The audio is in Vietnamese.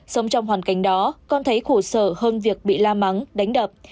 sống trong hoàn cảnh đó con thấy khổ sở hơn việc bị la mắng đánh đập